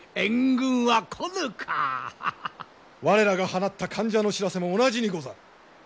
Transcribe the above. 我らが放った間者の知らせも同じにござる。